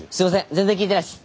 全然聞いてないっす。